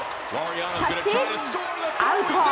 タッチアウト！